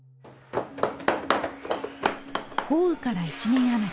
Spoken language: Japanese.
豪雨から１年余り。